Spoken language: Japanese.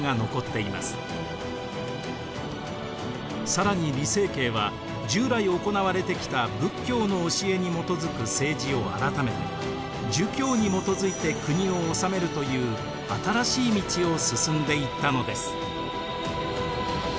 更に李成桂は従来行われてきた仏教の教えに基づく政治を改めて儒教に基づいて国を治めるという新しい道を進んでいったのです。